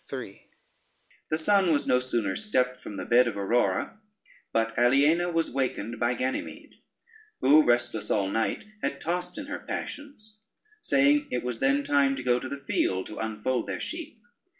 ] The sun was no sooner stepped from the bed of Aurora, but Aliena was wakened by Ganymede, who, restless all night, had tossed in her passions, saying it was then time to go to the field to unfold their sheep.